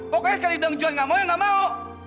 pokoknya sekali dong juhan nggak mau yang nggak mau